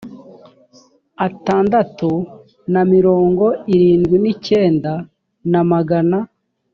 atandatu na mirongo irindwi n icyenda na magana